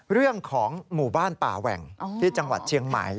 เรื่องของหมู่บ้านป่าแหว่งที่จังหวัดเชียงใหม่